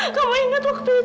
aku tak tahu ini collar